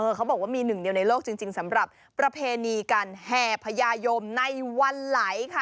เขาบอกว่ามีหนึ่งเดียวในโลกจริงสำหรับประเพณีการแห่พญายมในวันไหลค่ะ